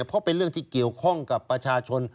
เพราะเป็นเรื่องที่เกี่ยวข้องกับประชาชน